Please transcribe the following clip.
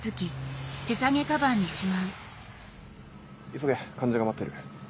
急げ患者が待ってる。